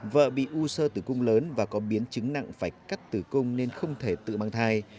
vợ bị u sơ tử cung lớn và có biến chứng nặng phải cắt tử cung nên không thể tự mang thai